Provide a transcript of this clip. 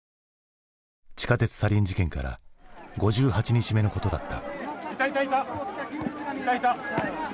地下鉄サリン事件から５８日目のことだった。